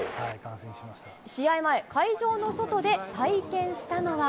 試合前、会場の外で体験したのは。